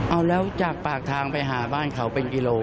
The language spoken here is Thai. เอาแล้วจากปากทางไปหาบ้านเขาเป็นกิโล